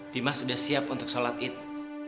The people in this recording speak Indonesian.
dimas udah siap untuk sholat itu